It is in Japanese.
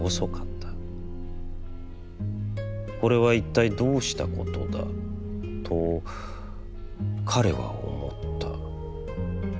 『これはいったいどうしたことだ』と、彼は思った。